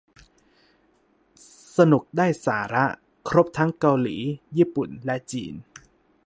สนุกได้สาระ ครบทั้งเกาหลี ญี่ปุ่น และจีน